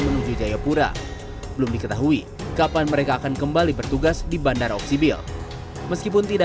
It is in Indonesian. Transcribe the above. menuju jayapura belum diketahui kapan mereka akan kembali bertugas di bandara oksibil meskipun tidak